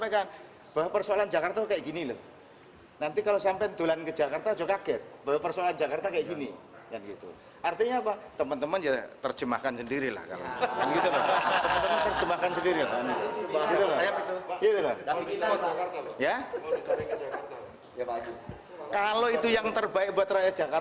kalau itu yang terbaik buat rakyat jakarta kenapa tidak